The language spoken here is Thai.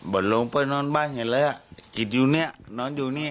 ไปโรงไปนอนบ้านเห็นแล้วอักกิจอยู่นี่นอนอยู่นี่